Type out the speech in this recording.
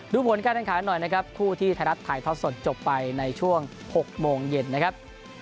ผลการแข่งขันหน่อยนะครับคู่ที่ไทยรัฐถ่ายทอดสดจบไปในช่วง๖โมงเย็นนะครับ